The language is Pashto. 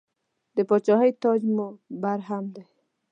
د پاچاهۍ تاج مو برهم دی.